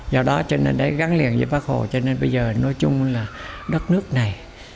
do đó cho nên đấy gắn liền với bác hồ cho nên bây giờ nói chung là đất nước này